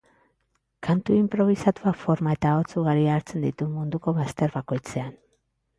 Kantu inprobisatuak forma eta ahots ugari hartzen ditu munduko bazter bakoitzean.